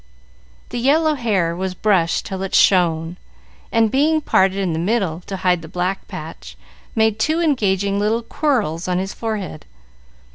The yellow hair was brushed till it shone, and being parted in the middle, to hide the black patch, made two engaging little "quirls" on his forehead.